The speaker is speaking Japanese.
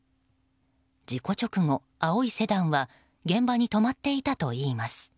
事故直後、青いセダンは現場に止まっていたといいます。